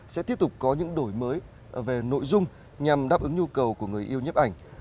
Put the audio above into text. có một tiểu mục mới về nội dung nhằm đáp ứng nhu cầu của người yêu nhếp ảnh